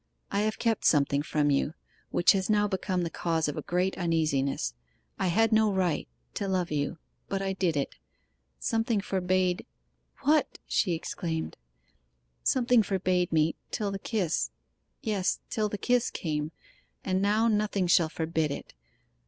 'I have kept something from you, which has now become the cause of a great uneasiness. I had no right to love you; but I did it. Something forbade ' 'What?' she exclaimed. 'Something forbade me till the kiss yes, till the kiss came; and now nothing shall forbid it!